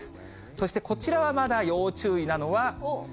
そしてこちらはまだ要注意なのは。